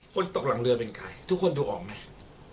ตกหลังเรือเป็นใครทุกคนดูออกไหม